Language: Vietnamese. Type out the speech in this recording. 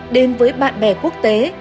đến với bạn bè quốc tế